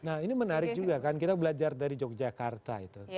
nah ini menarik juga kan kita belajar dari yogyakarta itu